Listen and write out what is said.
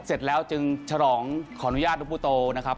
เสร็จแล้วจึงฉลองขออนุญาตลูกผู้โตนะครับ